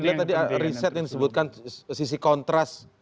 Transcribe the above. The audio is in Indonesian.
tapi kalau tadi riset yang disebutkan sisi kontras